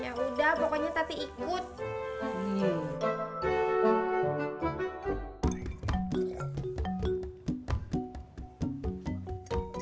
yaudah pokoknya tati ikut